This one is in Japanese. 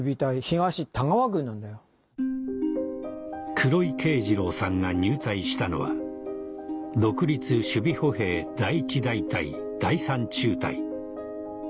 黒井慶次郎さんが入隊したのは独立守備歩兵第一大隊第三中隊